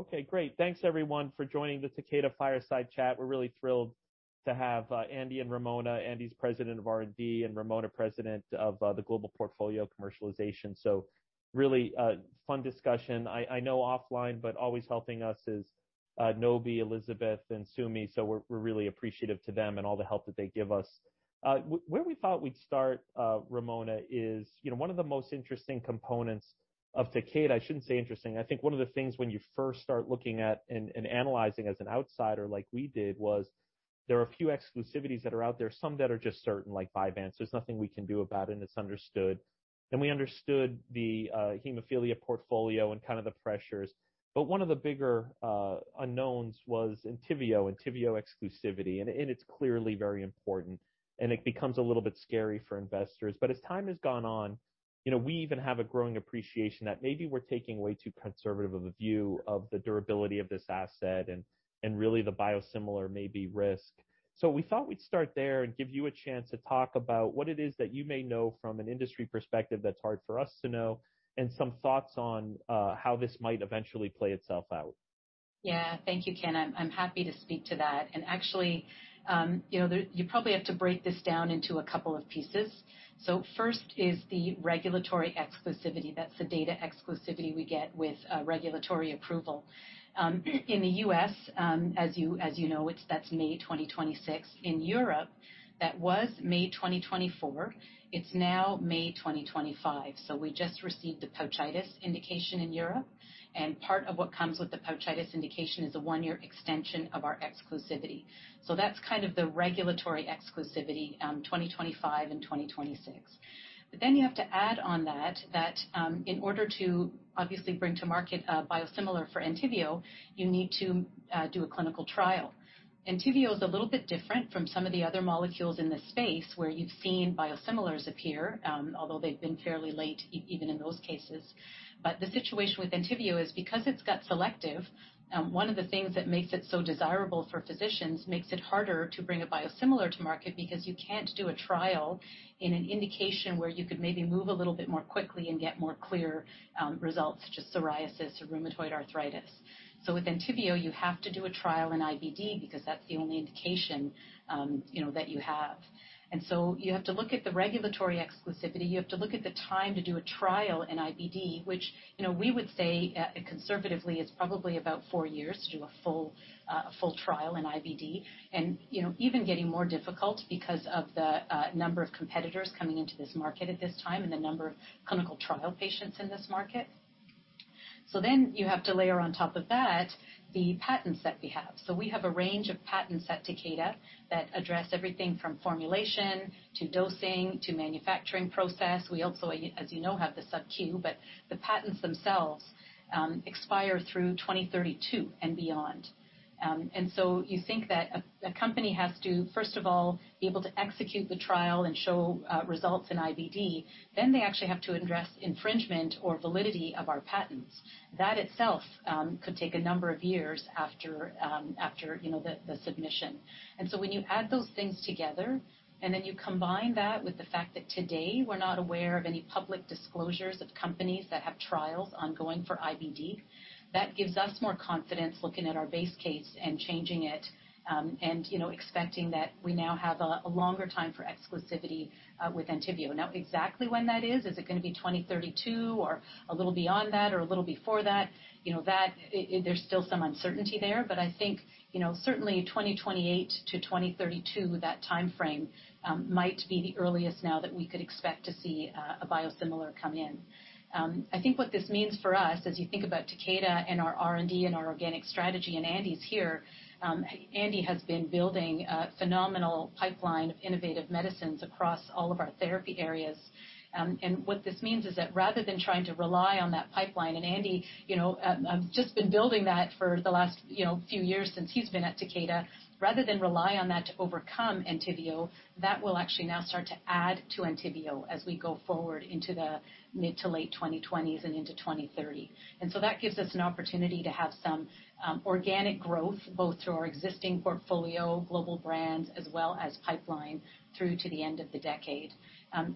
Okay, great. Thanks, everyone, for joining the Takeda Pharmaceutical fireside chat. We're really thrilled to have Andy and Ramona. Andy's President of R&D, and Ramona, President of the global portfolio of commercialization. So really fun discussion. I know offline, but always helping us is Nobi, Elizabeth, and Sumi. So we're really appreciative to them and all the help that they give us. Where we thought we'd start, Ramona, is one of the most interesting components of Takeda. I shouldn't say interesting. I think one of the things when you first start looking at and analyzing as an outsider like we did was there are a few exclusivities that are out there, some that are just certain, like Vyvanse. So there's nothing we can do about it, and it's understood. And we understood the hemophilia portfolio and kind of the pressures. But one of the bigger unknowns was Entyvio, Entyvio exclusivity. It's clearly very important, and it becomes a little bit scary for investors. As time has gone on, we even have a growing appreciation that maybe we're taking way too conservative of a view of the durability of this asset and really the biosimilar maybe risk. We thought we'd start there and give you a chance to talk about what it is that you may know from an industry perspective that's hard for us to know, and some thoughts on how this might eventually play itself out. Yeah, thank you, Ken. I'm happy to speak to that. And actually, you probably have to break this down into a couple of pieces. So first is the regulatory exclusivity. That's the data exclusivity we get with regulatory approval. In the U.S., as you know, that's May 2026. In Europe, that was May 2024. It's now May 2025. So we just received the pouchitis indication in Europe. And part of what comes with the pouchitis indication is a one-year extension of our exclusivity. So that's kind of the regulatory exclusivity, 2025 and 2026. But then you have to add on that that in order to obviously bring to market a biosimilar for Entyvio, you need to do a clinical trial. Entyvio is a little bit different from some of the other molecules in this space where you've seen biosimilars appear, although they've been fairly late even in those cases. The situation with Entyvio is because it's got selectivity, one of the things that makes it so desirable for physicians makes it harder to bring a biosimilar to market because you can't do a trial in an indication where you could maybe move a little bit more quickly and get more clear results, such as psoriasis or rheumatoid arthritis. So with Entyvio, you have to do a trial in IBD because that's the only indication that you have. And so you have to look at the regulatory exclusivity. You have to look at the time to do a trial in IBD, which we would say conservatively is probably about four years to do a full trial in IBD, and even getting more difficult because of the number of competitors coming into this market at this time and the number of clinical trial patients in this market. So then you have to layer on top of that the patents that we have. So we have a range of patents at Takeda that address everything from formulation to dosing to manufacturing process. We also, as you know, have the Sub Q, but the patents themselves expire through 2032 and beyond. And so you think that a company has to, first of all, be able to execute the trial and show results in IBD, then they actually have to address infringement or validity of our patents. That itself could take a number of years after the submission. And so when you add those things together, and then you combine that with the fact that today we're not aware of any public disclosures of companies that have trials ongoing for IBD, that gives us more confidence looking at our base case and changing it and expecting that we now have a longer time for exclusivity with Entyvio. Now, exactly when that is, is it going to be 2032 or a little beyond that or a little before that? There's still some uncertainty there, but I think certainly 2028-2032, that time frame might be the earliest now that we could expect to see a biosimilar come in. I think what this means for us, as you think about Takeda and our R&D and our organic strategy, and Andy's here, Andy has been building a phenomenal pipeline of innovative medicines across all of our therapy areas. What this means is that rather than trying to rely on that pipeline, and Andy has just been building that for the last few years since he's been at Takeda, rather than rely on that to overcome Entyvio, that will actually now start to add to Entyvio as we go forward into the mid to late 2020s and into 2030. And so that gives us an opportunity to have some organic growth both through our existing portfolio, global brands, as well as pipeline through to the end of the decade.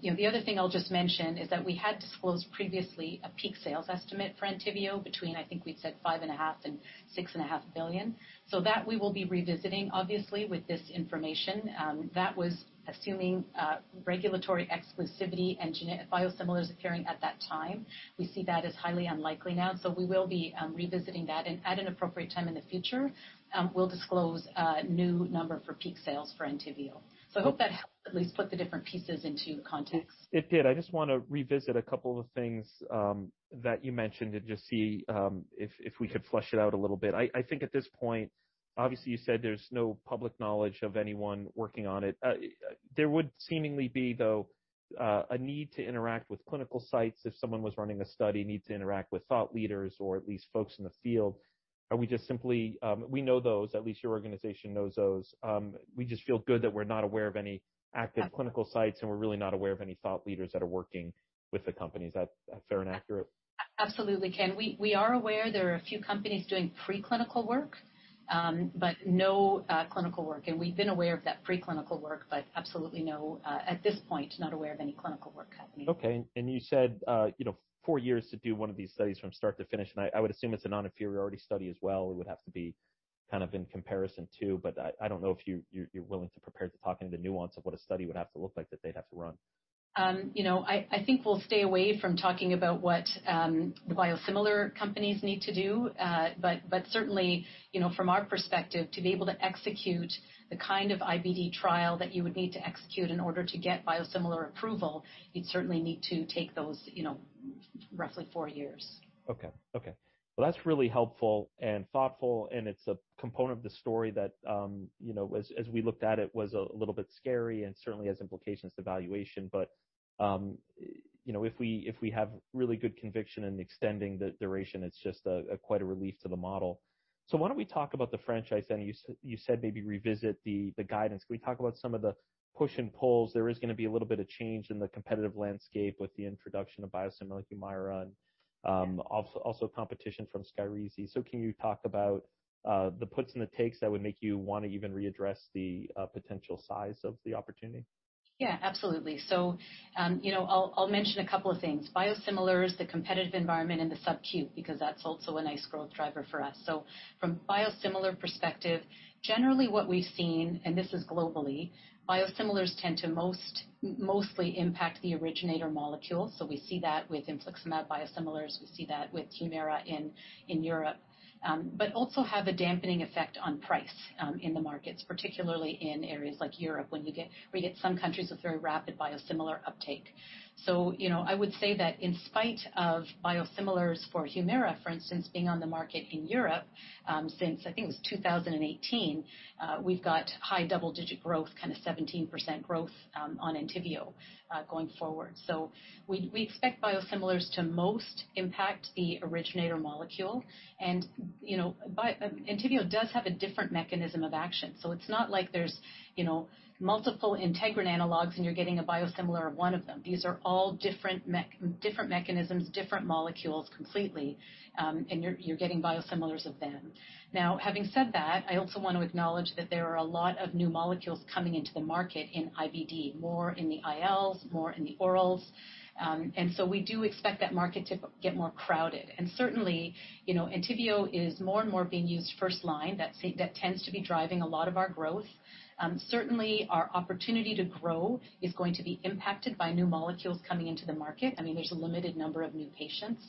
The other thing I'll just mention is that we had disclosed previously a peak sales estimate for Entyvio between, I think we'd said $5.5 and $6.5 billion. So that we will be revisiting, obviously, with this information. That was assuming regulatory exclusivity and biosimilars appearing at that time. We see that as highly unlikely now. So we will be revisiting that, and at an appropriate time in the future, we'll disclose a new number for peak sales for Entyvio. So I hope that helps at least put the different pieces into context. It did. I just want to revisit a couple of things that you mentioned and just see if we could flesh it out a little bit. I think at this point, obviously, you said there's no public knowledge of anyone working on it. There would seemingly be, though, a need to interact with clinical sites if someone was running a study, need to interact with thought leaders or at least folks in the field. Are we just simply, we know those, at least your organization knows those. We just feel good that we're not aware of any active clinical sites, and we're really not aware of any thought leaders that are working with the company. Is that fair and accurate? Absolutely, Ken. We are aware there are a few companies doing preclinical work, but no clinical work, and we've been aware of that preclinical work, but absolutely no, at this point, not aware of any clinical work happening. Okay. And you said four years to do one of these studies from start to finish. And I would assume it's a non-inferiority study as well. It would have to be kind of in comparison too, but I don't know if you're willing to prepare to talk into the nuance of what a study would have to look like that they'd have to run? I think we'll stay away from talking about what the biosimilar companies need to do, but certainly, from our perspective, to be able to execute the kind of IBD trial that you would need to execute in order to get biosimilar approval, you'd certainly need to take those roughly four years. Okay. Well, that's really helpful and thoughtful. And it's a component of the story that, as we looked at it, was a little bit scary and certainly has implications to valuation. But if we have really good conviction in extending the duration, it's just quite a relief to the model. So why don't we talk about the franchise? And you said maybe revisit the guidance. Can we talk about some of the push and pulls? There is going to be a little bit of change in the competitive landscape with the introduction of biosimilar like HUMIRA and also competition from SKYRIZI. So can you talk about the puts and the takes that would make you want to even readdress the potential size of the opportunity? Yeah, absolutely. So I'll mention a couple of things. Biosimilars, the competitive environment, and the sub Q, because that's also a nice growth driver for us. So from a biosimilar perspective, generally what we've seen, and this is globally, biosimilars tend to mostly impact the originator molecule. So we see that with infliximab biosimilars. We see that with HUMIRA in Europe, but also have a dampening effect on price in the markets, particularly in areas like Europe where you get some countries with very rapid biosimilar uptake. So I would say that in spite of biosimilars for HUMIRA, for instance, being on the market in Europe since, I think, it was 2018, we've got high double-digit growth, kind of 17% growth on Entyvio going forward. So we expect biosimilars to most impact the originator molecule. And Entyvio does have a different mechanism of action. It's not like there's multiple integrin analogs and you're getting a biosimilar of one of them. These are all different mechanisms, different molecules completely, and you're getting biosimilars of them. Now, having said that, I also want to acknowledge that there are a lot of new molecules coming into the market in IBD, more in the ILs, more in the orals. We do expect that market to get more crowded. Certainly, Entyvio is more and more being used first line. That tends to be driving a lot of our growth. Certainly, our opportunity to grow is going to be impacted by new molecules coming into the market. I mean, there's a limited number of new patients.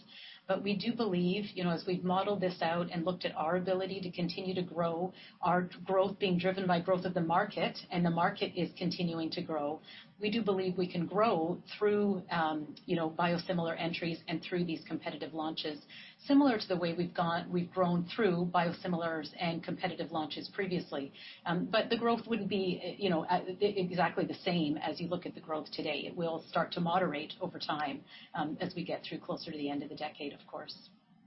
But we do believe, as we've modeled this out and looked at our ability to continue to grow, our growth being driven by growth of the market, and the market is continuing to grow, we do believe we can grow through biosimilar entries and through these competitive launches, similar to the way we've grown through biosimilars and competitive launches previously. But the growth wouldn't be exactly the same as you look at the growth today. It will start to moderate over time as we get through closer to the end of the decade, of course.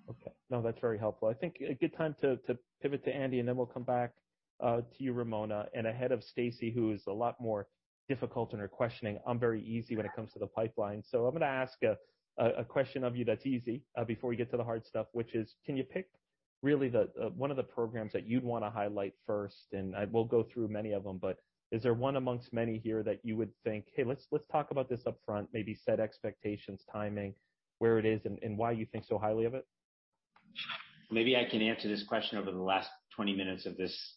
Okay. No, that's very helpful. I think a good time to pivot to Andy, and then we'll come back to you, Ramona. And ahead of Stacey, who is a lot more difficult in her questioning, I'm very easy when it comes to the pipeline. So I'm going to ask a question of you that's easy before we get to the hard stuff, which is, can you pick really one of the programs that you'd want to highlight first? And we'll go through many of them, but is there one amongst many here that you would think, "Hey, let's talk about this upfront," maybe set expectations, timing, where it is, and why you think so highly of it? Maybe I can answer this question over the last 20 minutes of this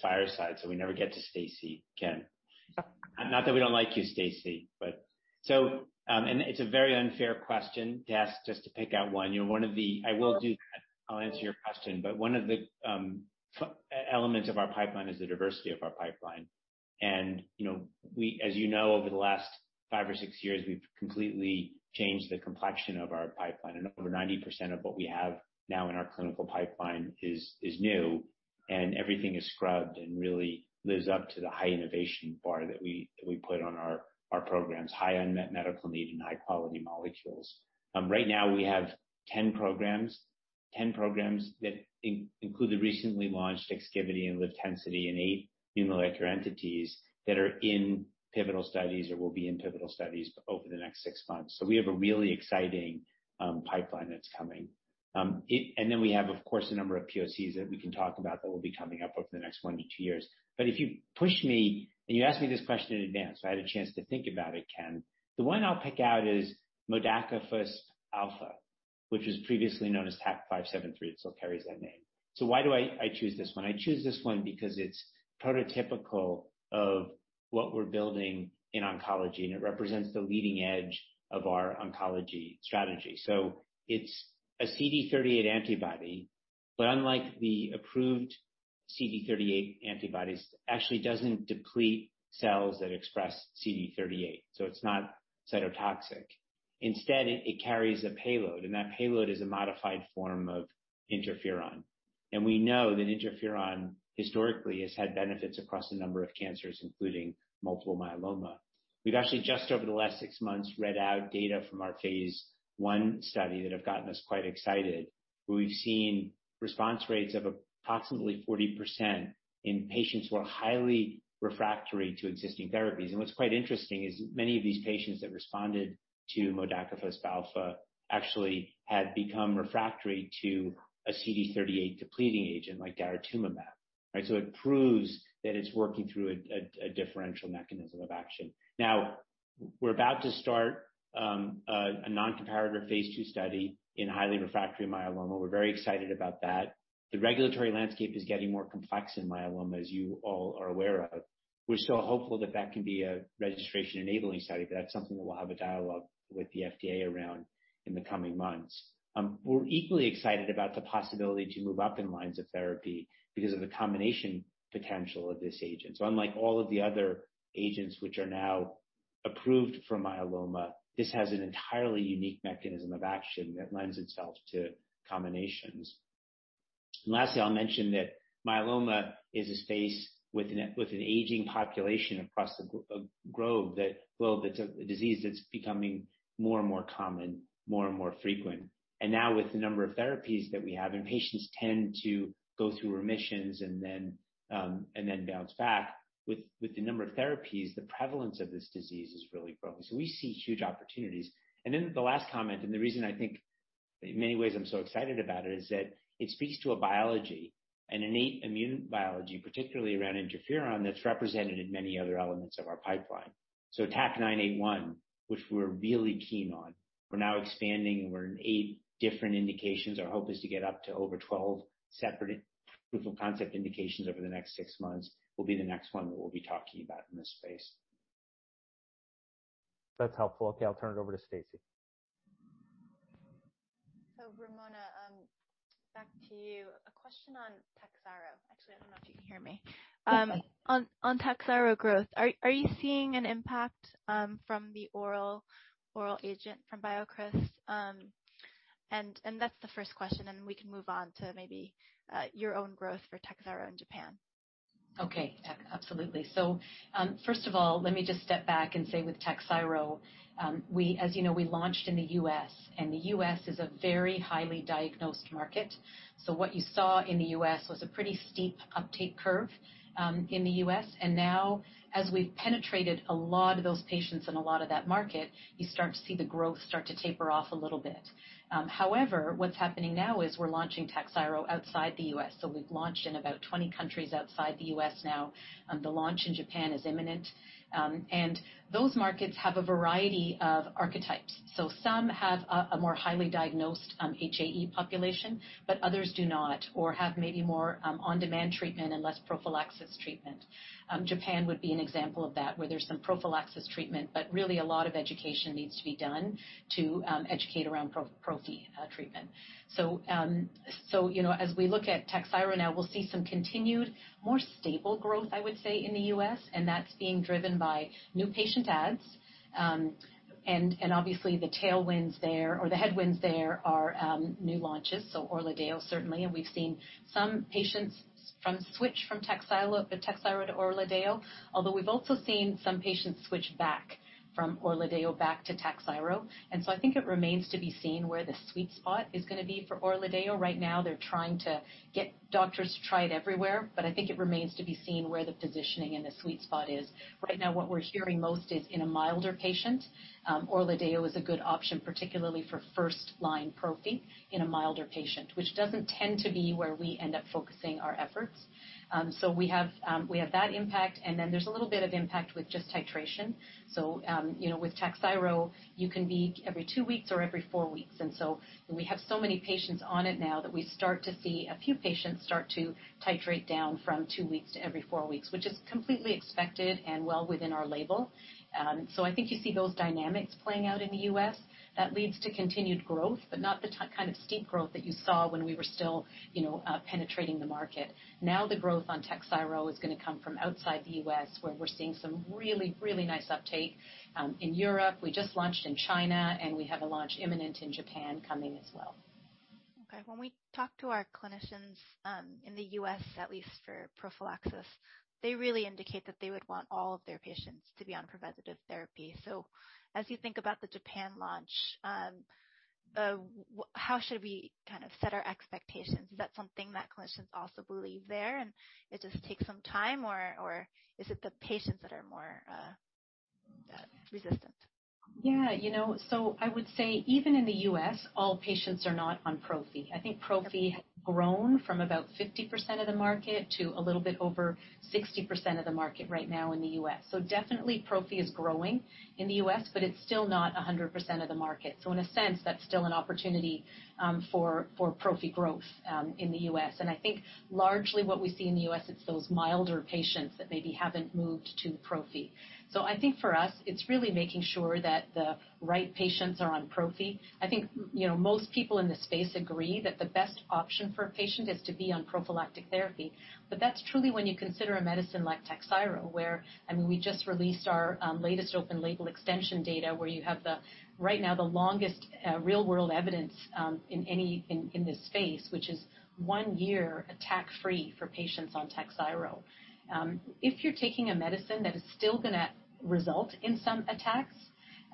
fireside. So we never get to Stacey, Ken. Not that we don't like you, Stacey, but. And it's a very unfair question to ask just to pick out one. I will do that. I'll answer your question. But one of the elements of our pipeline is the diversity of our pipeline. And as you know, over the last five or six years, we've completely changed the complexion of our pipeline. And over 90% of what we have now in our clinical pipeline is new, and everything is scrubbed and really lives up to the high innovation bar that we put on our programs, high unmet medical need and high-quality molecules. Right now, we have 10 programs that include the recently launched Exkivity and Livtencity and eight new molecular entities that are in pivotal studies or will be in pivotal studies over the next six months. So we have a really exciting pipeline that's coming. And then we have, of course, a number of POCs that we can talk about that will be coming up over the next one to two years. But if you push me and you ask me this question in advance, I had a chance to think about it, Ken, the one I'll pick out is modakafusp alfa, which was previously known as TAK-573. It still carries that name. So why do I choose this one? I choose this one because it's prototypical of what we're building in oncology, and it represents the leading edge of our oncology strategy. It's a CD38 antibody, but unlike the approved CD38 antibodies, it actually doesn't deplete cells that express CD38. It's not cytotoxic. Instead, it carries a payload, and that payload is a modified form of interferon. We know that interferon historically has had benefits across a number of cancers, including multiple myeloma. We've actually just, over the last six months, read out data from our phase one study that have gotten us quite excited, where we've seen response rates of approximately 40% in patients who are highly refractory to existing therapies. What's quite interesting is many of these patients that responded to modakafusp alfa actually had become refractory to a CD38 depleting agent like daratumumab. It proves that it's working through a differential mechanism of action. Now, we're about to start a non-comparator phase two study in highly refractory myeloma. We're very excited about that. The regulatory landscape is getting more complex in myeloma, as you all are aware of. We're still hopeful that that can be a registration-enabling study, but that's something that we'll have a dialogue with the FDA around in the coming months. We're equally excited about the possibility to move up in lines of therapy because of the combination potential of this agent. So unlike all of the other agents, which are now approved for myeloma, this has an entirely unique mechanism of action that lends itself to combinations. Lastly, I'll mention that myeloma is a space with an aging population across the globe that's a disease that's becoming more and more common, more and more frequent. And now, with the number of therapies that we have, and patients tend to go through remissions and then bounce back, with the number of therapies, the prevalence of this disease is really growing. So we see huge opportunities. And then the last comment, and the reason I think in many ways I'm so excited about it, is that it speaks to a biology, an innate immune biology, particularly around interferon that's represented in many other elements of our pipeline. So TAK-981, which we're really keen on, we're now expanding, and we're in eight different indications. Our hope is to get up to over 12 separate proof of concept indications over the next six months. Will be the next one that we'll be talking about in this space. That's helpful. Okay. I'll turn it over to Stacey. Ramona, back to you. A question on Takhzyro. Actually, I don't know if you can hear me. On Takhzyro growth, are you seeing an impact from the oral agent from BioCryst? And that's the first question, and then we can move on to maybe your own growth for Takhzyro in Japan. Okay. Absolutely. So first of all, let me just step back and say with Takhzyro, as you know, we launched in the U.S., and the U.S. is a very highly diagnosed market. So what you saw in the U.S. was a pretty steep uptake curve in the U.S. And now, as we've penetrated a lot of those patients and a lot of that market, you start to see the growth start to taper off a little bit. However, what's happening now is we're launching Takhzyro outside the U.S. So we've launched in about 20 countries outside the U.S. now. The launch in Japan is imminent. And those markets have a variety of archetypes. So some have a more highly diagnosed HAE population, but others do not or have maybe more on-demand treatment and less prophylaxis treatment. Japan would be an example of that, where there's some prophylaxis treatment, but really a lot of education needs to be done to educate around prophylaxis treatment. So as we look at Takhzyro now, we'll see some continued, more stable growth, I would say, in the US, and that's being driven by new patient adds. And obviously, the tailwinds there or the headwinds there are new launches. So Orladeyo certainly, and we've seen some patients switch from Takhzyro to Orladeyo, although we've also seen some patients switch back from Orladeyo back to Takhzyro. And so I think it remains to be seen where the sweet spot is going to be for Orladeyo. Right now, they're trying to get doctors to try it everywhere, but I think it remains to be seen where the positioning and the sweet spot is. Right now, what we're hearing most is in a milder patient. Orladeyo is a good option, particularly for first-line prophylaxis in a milder patient, which doesn't tend to be where we end up focusing our efforts. So we have that impact, and then there's a little bit of impact with just titration. So with Takhzyro, you can be every two weeks or every four weeks. And so we have so many patients on it now that we start to see a few patients start to titrate down from two weeks to every four weeks, which is completely expected and well within our label. So I think you see those dynamics playing out in the U.S. That leads to continued growth, but not the kind of steep growth that you saw when we were still penetrating the market. Now, the growth on Takhzyro is going to come from outside the U.S., where we're seeing some really, really nice uptake in Europe. We just launched in China, and we have a launch imminent in Japan coming as well. Okay. When we talk to our clinicians in the U.S., at least for prophylaxis, they really indicate that they would want all of their patients to be on preventative therapy, so as you think about the Japan launch, how should we kind of set our expectations? Is that something that clinicians also believe there, and it just takes some time, or is it the patients that are more resistant? Yeah. So I would say even in the U.S., all patients are not on prophylaxis. I think prophylaxis has grown from about 50% of the market to a little bit over 60% of the market right now in the U.S. So definitely, prophylaxis is growing in the U.S., but it's still not 100% of the market. So in a sense, that's still an opportunity for prophylaxis growth in the U.S. And I think largely what we see in the U.S., it's those milder patients that maybe haven't moved to prophylaxis. So I think for us, it's really making sure that the right patients are on prophylaxis. I think most people in this space agree that the best option for a patient is to be on prophylactic therapy, but that's truly when you consider a medicine like Takhzyro, where I mean, we just released our latest open label extension data where you have right now the longest real-world evidence in this space, which is one year attack-free for patients on Takhzyro. If you're taking a medicine that is still going to result in some attacks,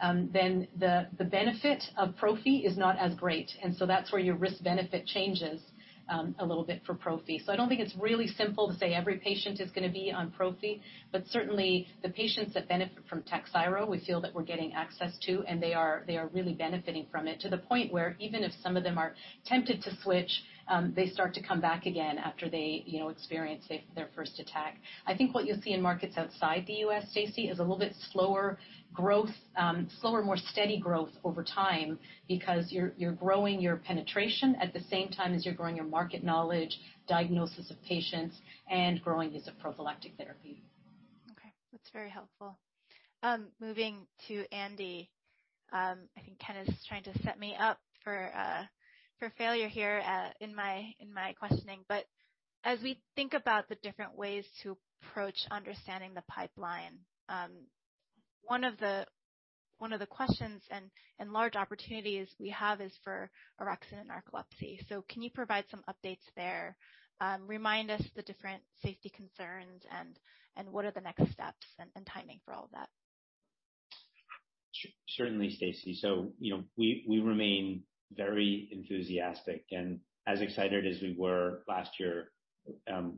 then the benefit of prophylaxis is not as great, and so that's where your risk-benefit changes a little bit for prophylaxis. So I don't think it's really simple to say every patient is going to be on prophylaxis, but certainly, the patients that benefit from Takhzyro, we feel that we're getting access to, and they are really benefiting from it to the point where even if some of them are tempted to switch, they start to come back again after they experience their first attack. I think what you'll see in markets outside the U.S., Stacey, is a little bit slower growth, slower, more steady growth over time because you're growing your penetration at the same time as you're growing your market knowledge, diagnosis of patients, and growing use of prophylactic therapy. Okay. That's very helpful. Moving to Andy, I think Ken is trying to set me up for failure here in my questioning. But as we think about the different ways to approach understanding the pipeline, one of the questions and large opportunities we have is for orexin and narcolepsy. So can you provide some updates there? Remind us the different safety concerns and what are the next steps and timing for all of that? Certainly, Stacey, so we remain very enthusiastic and as excited as we were last year,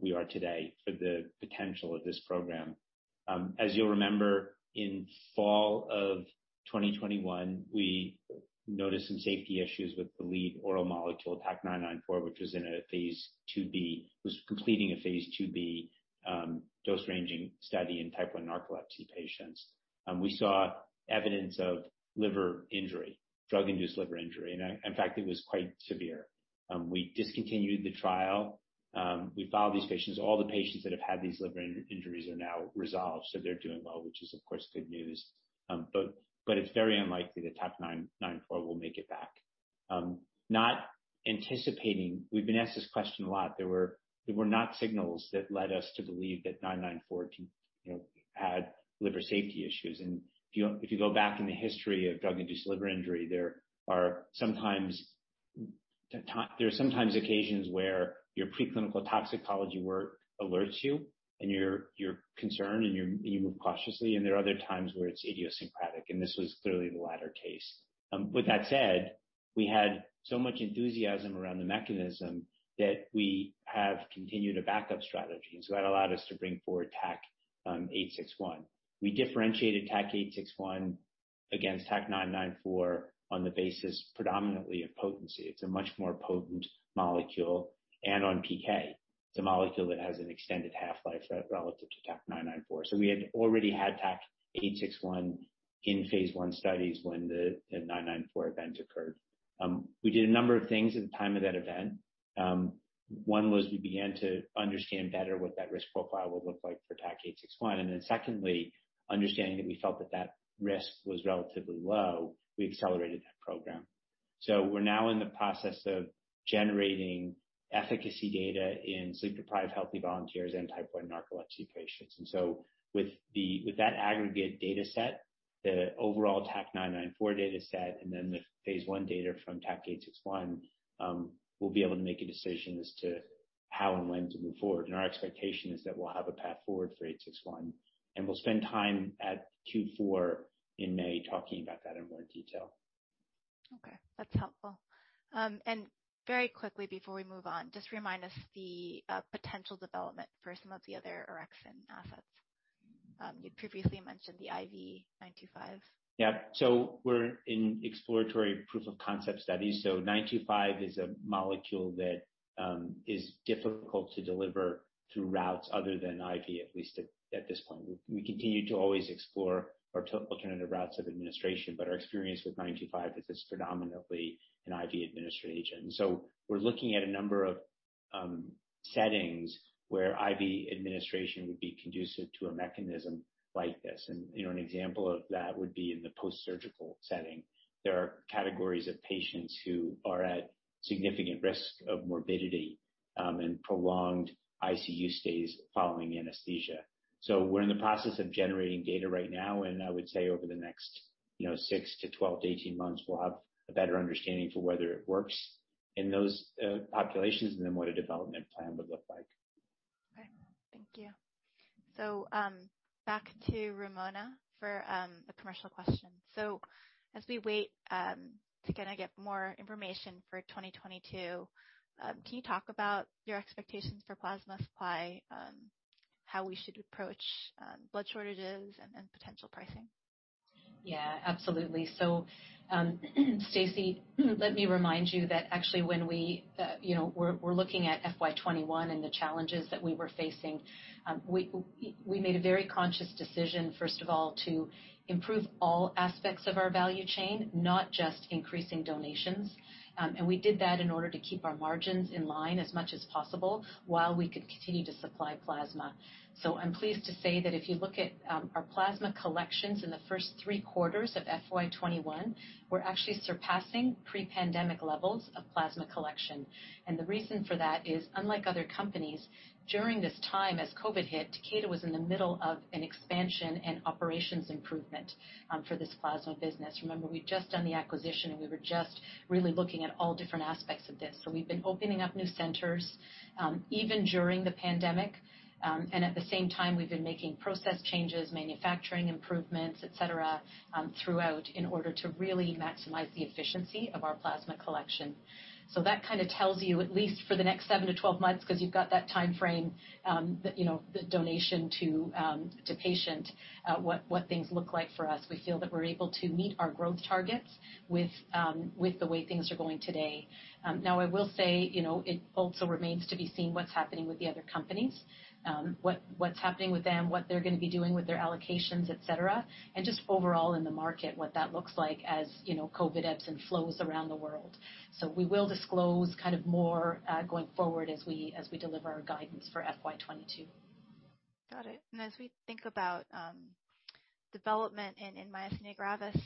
we are today for the potential of this program. As you'll remember, in fall of 2021, we noticed some safety issues with the lead oral molecule, TAK-994, which was in a phase 2b, was completing a phase 2b dose-ranging study in type 1 narcolepsy patients. We saw evidence of liver injury, drug-induced liver injury, and in fact, it was quite severe. We discontinued the trial. We followed these patients. All the patients that have had these liver injuries are now resolved, so they're doing well, which is, of course, good news, but it's very unlikely that TAK-994 will make it back. Not anticipating, we've been asked this question a lot. There were not signals that led us to believe that TAK-994 had liver safety issues. And if you go back in the history of drug-induced liver injury, there are sometimes occasions where your preclinical toxicology work alerts you, and you're concerned, and you move cautiously. And there are other times where it's idiosyncratic, and this was clearly the latter case. With that said, we had so much enthusiasm around the mechanism that we have continued a backup strategy. And so that allowed us to bring forward TAK-861. We differentiated TAK-861 against TAK-994 on the basis predominantly of potency. It's a much more potent molecule. And on PK, it's a molecule that has an extended half-life relative to TAK-994. So we had already had TAK-861 in phase one studies when the 994 event occurred. We did a number of things at the time of that event. One was we began to understand better what that risk profile would look like for TAK-861. And then secondly, understanding that we felt that that risk was relatively low, we accelerated that program. So we're now in the process of generating efficacy data in sleep-deprived healthy volunteers and type 1 narcolepsy patients. And so with that aggregate data set, the overall TAK-994 data set, and then the phase one data from TAK-861, we'll be able to make a decision as to how and when to move forward. And our expectation is that we'll have a path forward for TAK-861. And we'll spend time at Q4 in May talking about that in more detail. Okay. That's helpful. And very quickly, before we move on, just remind us the potential development for some of the other orexin assets. You previously mentioned the IV925. Yeah. So we're in exploratory proof of concept studies. So TAK-925 is a molecule that is difficult to deliver through routes other than IV, at least at this point. We continue to always explore alternative routes of administration, but our experience with TAK-925 is it's predominantly an IV-administered agent. And so we're looking at a number of settings where IV administration would be conducive to a mechanism like this. And an example of that would be in the post-surgical setting. There are categories of patients who are at significant risk of morbidity and prolonged ICU stays following anesthesia. So we're in the process of generating data right now, and I would say over the next six to 12 to 18 months, we'll have a better understanding for whether it works in those populations and then what a development plan would look like. Okay. Thank you. So back to Ramona for the commercial question. So as we wait to kind of get more information for 2022, can you talk about your expectations for plasma supply, how we should approach blood shortages, and potential pricing? Yeah. Absolutely. So, Stacey, let me remind you that actually when we were looking at FY21 and the challenges that we were facing, we made a very conscious decision, first of all, to improve all aspects of our value chain, not just increasing donations. And we did that in order to keep our margins in line as much as possible while we could continue to supply plasma. So I'm pleased to say that if you look at our plasma collections in the first three quarters of FY21, we're actually surpassing pre-pandemic levels of plasma collection. And the reason for that is, unlike other companies, during this time as COVID hit, Takeda was in the middle of an expansion and operations improvement for this plasma business. Remember, we've just done the acquisition, and we were just really looking at all different aspects of this. So we've been opening up new centers even during the pandemic. And at the same time, we've been making process changes, manufacturing improvements, etc., throughout in order to really maximize the efficiency of our plasma collection. So that kind of tells you, at least for the next seven to 12 months, because you've got that time frame, the donation to patient, what things look like for us. We feel that we're able to meet our growth targets with the way things are going today. Now, I will say it also remains to be seen what's happening with the other companies, what's happening with them, what they're going to be doing with their allocations, etc., and just overall in the market, what that looks like as COVID ebbs and flows around the world. So we will disclose kind of more going forward as we deliver our guidance for FY22. Got it. And as we think about development in myasthenia gravis,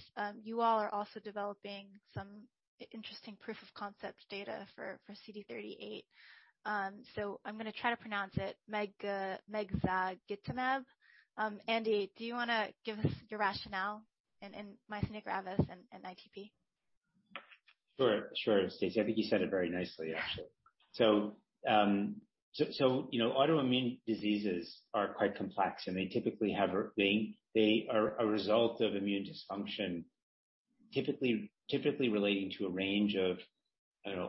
you all are also developing some interesting proof of concept data for CD38. So I'm going to try to pronounce it, mezagitamab. Andy, do you want to give us your rationale in myasthenia gravis and ITP? Sure. Sure, Stacey. I think you said it very nicely, actually. Autoimmune diseases are quite complex, and they typically have a result of immune dysfunction, typically relating to a range of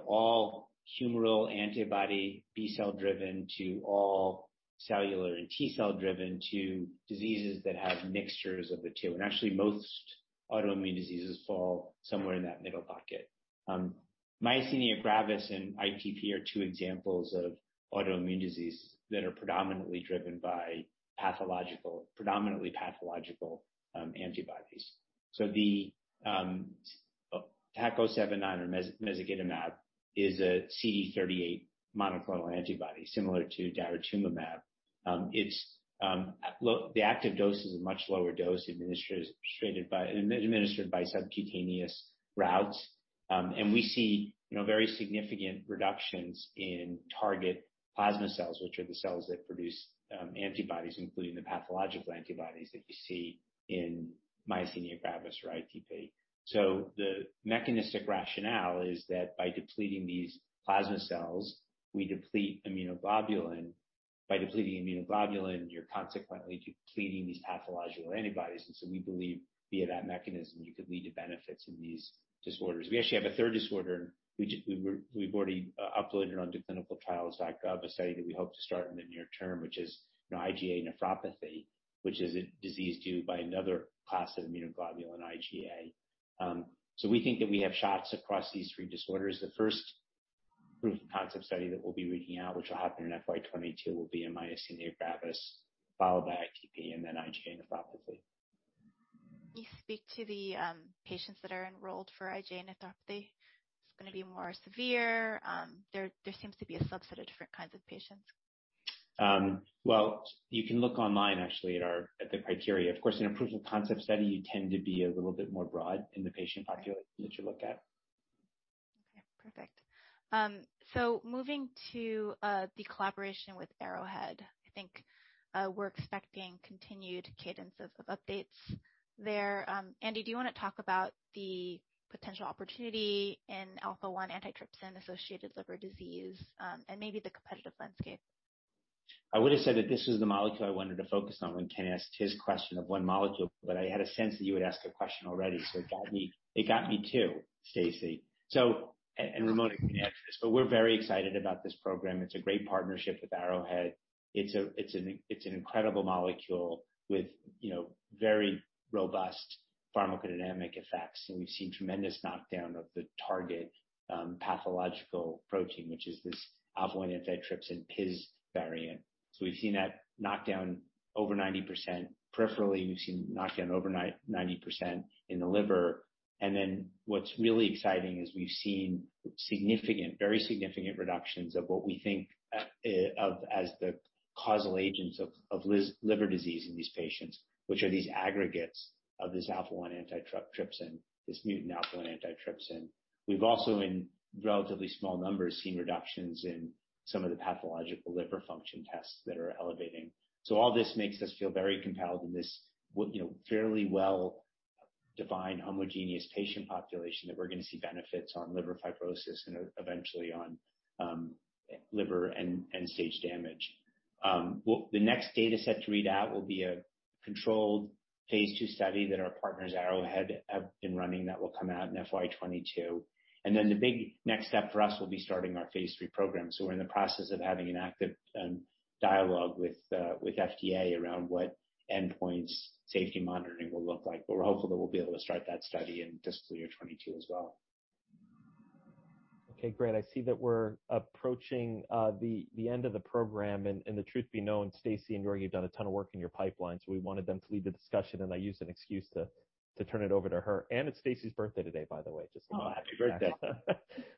all humoral antibody, B-cell driven, to all cellular and T-cell driven, to diseases that have mixtures of the two. Actually, most autoimmune diseases fall somewhere in that middle bucket. Myasthenia gravis and ITP are two examples of autoimmune diseases that are predominantly driven by predominantly pathological antibodies. The TAK-079 or mezagitamab is a CD38 monoclonal antibody, similar to daratumumab. The active dose is a much lower dose administered by subcutaneous routes. We see very significant reductions in target plasma cells, which are the cells that produce antibodies, including the pathological antibodies that you see in myasthenia gravis or ITP. The mechanistic rationale is that by depleting these plasma cells, we deplete immunoglobulin. By depleting immunoglobulin, you're consequently depleting these pathological antibodies. And so we believe via that mechanism, you could lead to benefits in these disorders. We actually have a third disorder. We've already uploaded onto ClinicalTrials.gov a study that we hope to start in the near term, which is IgA nephropathy, which is a disease due to another class of immunoglobulin IgA. So we think that we have shots across these three disorders. The first proof of concept study that we'll be reaching out, which will happen in FY22, will be in myasthenia gravis, followed by ITP, and then IgA nephropathy. Can you speak to the patients that are enrolled for IgA nephropathy? It's going to be more severe. There seems to be a subset of different kinds of patients. You can look online, actually, at the criteria. Of course, in a proof of concept study, you tend to be a little bit more broad in the patient population that you look at. Okay. Perfect. So moving to the collaboration with Arrowhead, I think we're expecting continued cadence of updates there. Andy, do you want to talk about the potential opportunity in alpha-1 antitrypsin-associated liver disease and maybe the competitive landscape? I would have said that this was the molecule I wanted to focus on when Ken asked his question of one molecule, but I had a sense that you would ask a question already. So it got me too, Stacey. And Ramona can answer this, but we're very excited about this program. It's a great partnership with Arrowhead. It's an incredible molecule with very robust pharmacodynamic effects. And we've seen tremendous knockdown of the target pathological protein, which is this alpha-1 antitrypsin PiS variant. So we've seen that knockdown over 90%. Peripherally, we've seen knockdown over 90% in the liver. And then what's really exciting is we've seen significant, very significant reductions of what we think of as the causal agents of liver disease in these patients, which are these aggregates of this alpha-1 antitrypsin, this mutant alpha-1 antitrypsin. We've also, in relatively small numbers, seen reductions in some of the pathological liver function tests that are elevating. So all this makes us feel very compelled in this fairly well-defined, homogeneous patient population that we're going to see benefits on liver fibrosis and eventually on liver end-stage damage. The next data set to read out will be a controlled phase two study that our partners, Arrowhead, have been running that will come out in FY 2022. And then the big next step for us will be starting our phase three program. So we're in the process of having an active dialogue with FDA around what endpoints safety monitoring will look like. But we're hopeful that we'll be able to start that study in fiscal year 2022 as well. Okay. Great. I see that we're approaching the end of the program. And the truth be known, Stacey and George, you've done a ton of work in your pipeline. So we wanted them to lead the discussion, and I used an excuse to turn it over to her. And it's Stacey's birthday today, by the way. Just. Oh, happy birthday.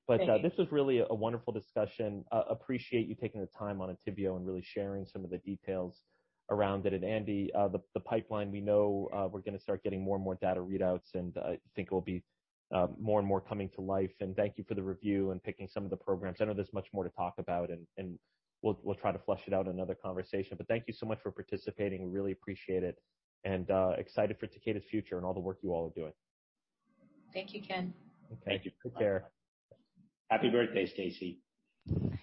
But this was really a wonderful discussion. Appreciate you taking the time on Entyvio and really sharing some of the details around it. And Andy, the pipeline, we know we're going to start getting more and more data readouts, and I think it will be more and more coming to life. And thank you for the review and picking some of the programs. I know there's much more to talk about, and we'll try to flesh it out in another conversation. But thank you so much for participating. We really appreciate it. And excited for Takeda's future and all the work you all are doing. Thank you, Ken. Thank you. Take care. Happy birthday, Stacey. Thank you.